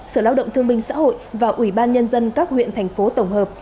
sở lao động thương minh xã hội và ủy ban nhân dân các huyện thành phố tổng hợp